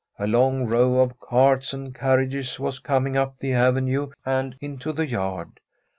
A kxxg row of carts and carriages was i\ ■..fig =p tbe arenne and into the yard.